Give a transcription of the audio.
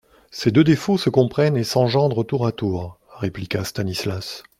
Ces deux défauts se comprennent et s'engendrent tour à tour, répliqua Stanislas.